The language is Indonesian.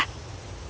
aku yakin ada